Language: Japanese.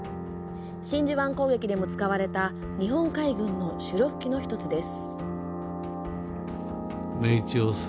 真珠湾攻撃でも使われた日本海軍の主力機の１つです。